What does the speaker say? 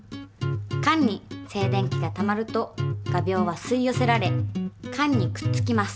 缶に静電気がたまると画びょうは吸い寄せられ缶にくっつきます。